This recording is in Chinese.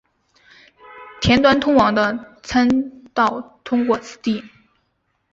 田端通往的参道通过此地。